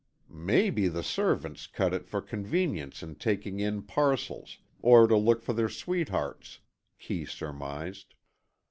"Maybe the servants cut it for convenience in taking in parcels, or to look for their sweethearts," Kee surmised.